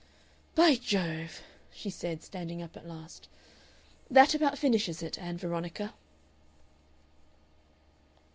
"By Jove!" she said, standing up at last, "that about finishes it, Ann Veronica!"